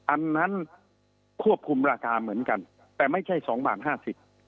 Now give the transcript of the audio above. อันนั้นควบคุมราคาเหมือนกันแต่ไม่ใช่สองบาทห้าสิบ